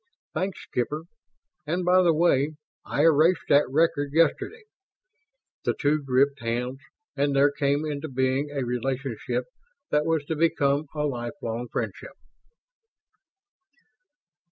"Thanks, skipper. And by the way, I erased that record yesterday." The two gripped hands; and there came into being a relationship that was to become a lifelong friendship.